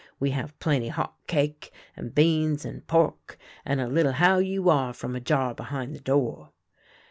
We have plenty hot cake, and beans and pork, and a little how you are from a jar behin' the door.